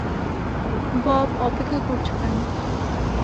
Bob, অপেক্ষা করছো কেন?